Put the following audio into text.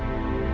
ya udah deh